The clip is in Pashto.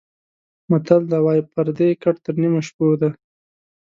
متل ده:واى پردى ګټ تر نيمو شپو ده.